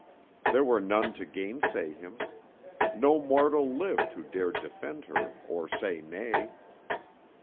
There were none to gainsay him. No mortal lived who dared defend her or say nay.